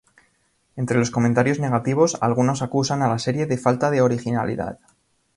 Entre los comentarios negativos algunos acusan a la serie de falta de originalidad.